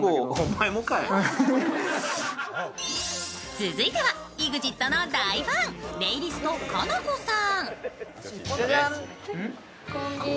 続いては、ＥＸＩＴの大ファン、ネイリスト、かなこさん。